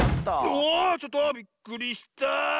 うおちょっとびっくりしたあ。